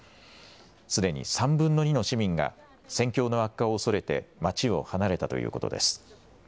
すでに３分の２の市民が、戦況の悪化を恐れて町を離れたということです。